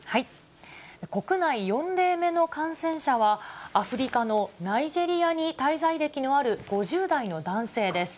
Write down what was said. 国内４例目の感染者は、アフリカのナイジェリアに滞在歴のある５０代の男性です。